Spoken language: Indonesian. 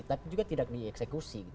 tapi juga tidak dieksekusi